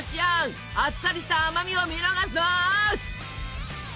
あっさりした甘みを見逃すな！